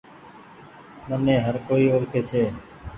مني هر ڪوئي اوڙکي ڇي۔